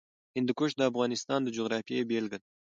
هندوکش د افغانستان د جغرافیې بېلګه ده.